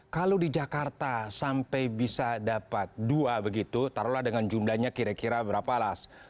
kalau di jakarta sampai bisa dapat dua begitu taruhlah dengan jumlahnya kira kira berapa lah